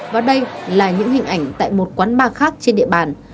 và đây là những hình ảnh tại một quán bar khác trên địa bàn